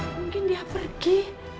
mungkin dia pergi